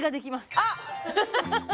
あっ！